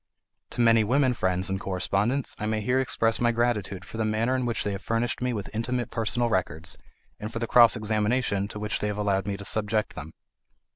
To many women friends and correspondents I may here express my gratitude for the manner in which they have furnished me with intimate personal records, and for the cross examination to which they have allowed me to subject them.